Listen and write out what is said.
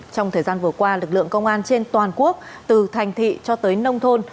trong thời gian vừa qua lực lượng công an trên toàn quốc từ thành thị cho tới nông thôn